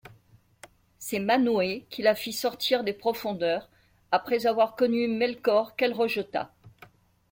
C'est Manwë qui la fit sortir des profondeurs après avoir connu Melkor qu'elle rejeta.